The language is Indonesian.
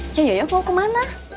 cek yaya mau kemana